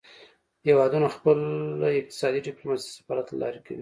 هیوادونه خپله اقتصادي ډیپلوماسي د سفارت له لارې کوي